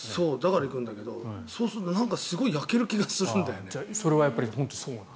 だから行くんだけどそうするとなんかすごく焼ける気がするんだよね。